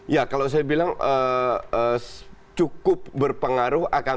ya kalau saya bilang cukup berpengaruh akan